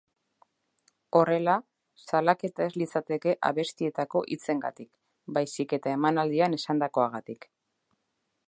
Horrela, salaketa ez litzateke abestietako hitzengatik, baizik eta emanaldian esandakoagatik.